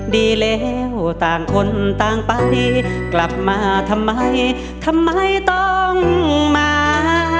ดีแล้วต่างคนต่างไปกลับมาทำไมทำไมต้องมา